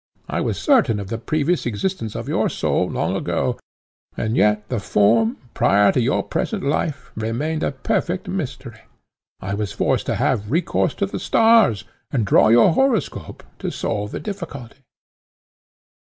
I was certain of the previous existence of your soul long ago, and yet the form, prior to your present life, remained a perfect mystery. I was forced to have recourse to the stars, and draw your horoscope, to solve the difficulty."